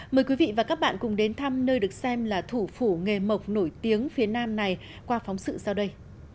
mời quý vị và các bạn cùng đến thăm nơi được xem là thủ phủ nghề mộc nổi tiếng phía nam này qua phóng sự sau đây